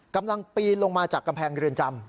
กำลังปีนลงมาจากกำแพงเรือนจำ